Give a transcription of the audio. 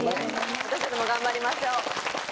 私たちも頑張りましょう。